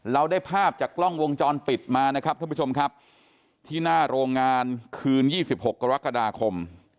เราได้ภาพจากกล้องวงจรปิดมานะครับท่านผู้ชมครับที่หน้าโรงงานคืน๒๖กรกฎาคม